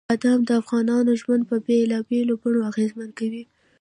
بادام د افغانانو ژوند په بېلابېلو بڼو اغېزمن کوي.